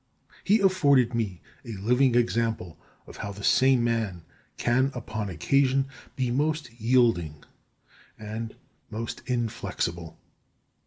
He afforded me a living example of how the same man can, upon occasion, be most yielding and most inflexible.